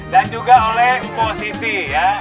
dan juga oleh mpo siti ya